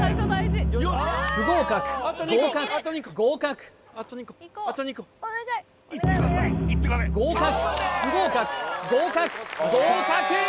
不合格合格合格合格不合格合格合格！